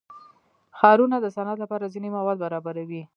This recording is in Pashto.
ښارونه د صنعت لپاره ځینې مواد برابروي.